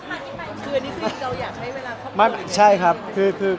คืออันนี้คือเราอยากให้เวลาเข้าเมือง